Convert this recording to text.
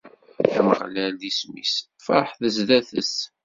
Ameɣlal i d-isem-is, feṛḥet zdat-es!